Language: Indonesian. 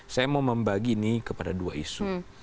saya mau membagi ini kepada dua isu